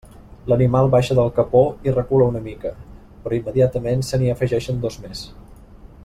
L'animal baixa del capó i recula una mica, però immediatament se n'hi afegeixen dos més.